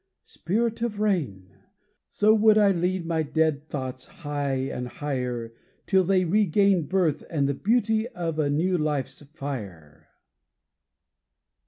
Spirit of rain! So would I lead my dead thoughts high and higher, Till they regain Birth and the beauty of a new life's fire.